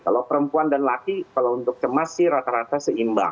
kalau perempuan dan laki kalau untuk cemas sih rata rata seimbang